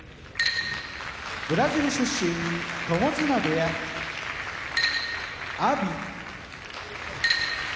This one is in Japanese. ブラジル出身友綱部屋阿炎埼玉県出身